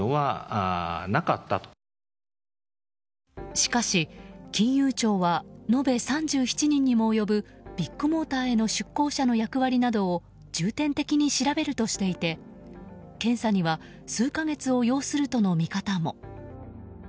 しかし、金融庁は延べ３７人にも及ぶビッグモーターへの出向者の役割などを重点的に調べるとしていて検査には数か月を要するとの見方も。